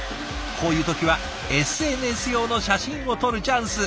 こういう時はＳＮＳ用の写真を撮るチャンス。